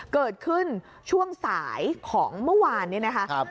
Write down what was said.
เกิดขึ้นช่วงสายของเมื่อวานนี้นะคะ